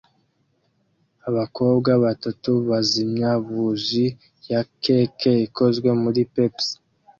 Abakobwa batatu bazimya buji ya cake ikozwe muri Peeps